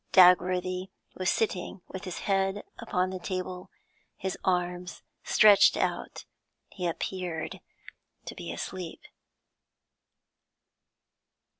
Dagworthy was sitting with his head upon the table, his arms stretched out; he appeared to be asleep.